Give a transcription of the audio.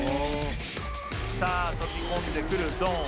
さあ飛び込んでくるゾーン。